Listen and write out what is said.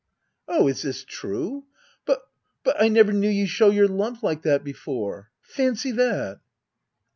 Oh, is this true ? But — but — I never knew you show your love like that before. Fancy that